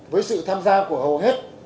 với sự tham gia của hầu hết